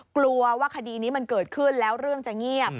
กลัวว่าคดีนี้มันเกิดขึ้นแล้วเรื่องจะเงียบ